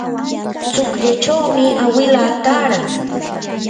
tsukllachawmi awilaa taaran.